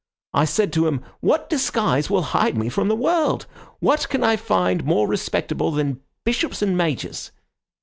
I said to him, 'What disguise will hide me from the world? What can I find more respectable than bishops and majors?